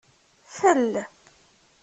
Fel!